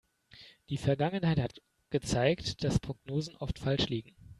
Die Vergangenheit hat gezeigt, dass Prognosen oft falsch liegen.